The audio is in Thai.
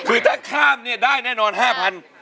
คือถ้าข้ามเนี่ยได้แน่นอน๕๐๐บาท